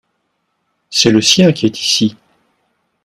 c'est le sien qui est ici.